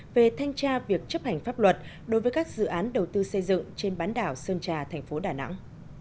về thanh tra việc chấp hành pháp luật đối với các dự án đầu tư xây dựng trên bán đảo sơn trà thành phố đà nẵng